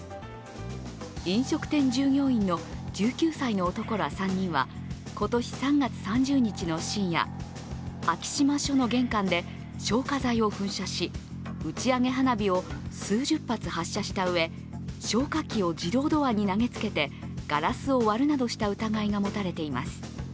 飲食店従業員の１９歳の男ら３人は今年３月３０日の深夜、昭島署の玄関で消火剤を噴射し、打ち上げ花火を数十発発射したうえ消火器を自動ドアに投げつけてガラスを割るなどした疑いが持たれています。